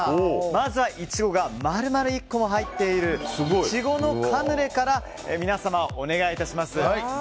まずはイチゴが丸々１個入っているイチゴのカヌレから皆様、お願い致します。